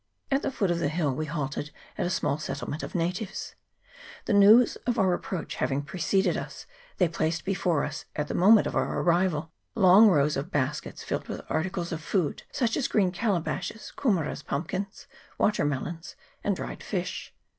At the foot of the hill we halted at a small settlement of natives. The news of our ap proach having preceded us, they placed before us, at 314 NATIVE HOSPITALITY. [PART II. the moment of our arrival, long rows of baskets filled with articles of food, such as green calabashes, kumeras, pumpkins, water melons, and dried fish.